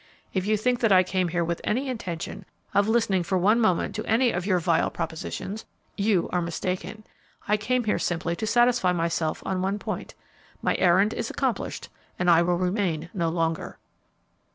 If you think that I came here with any intention of listening for one moment to any of your vile propositions, you are mistaken. I came here simply to satisfy myself on one point. My errand is accomplished, and I will remain no longer."